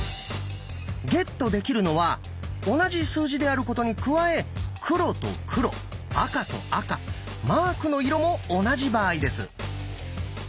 ゲットできるのは同じ数字であることに加え黒と黒赤と赤マークの色も同じ場合です。